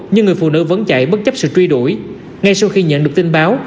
nhưng người phụ nữ vẫn chạy bất chấp sự truy đuổi ngay sau khi nhận được tin báo